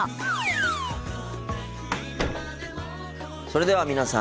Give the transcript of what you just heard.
それでは皆さん